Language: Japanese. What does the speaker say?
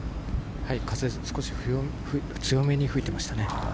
風、少し強めに吹いてましたね。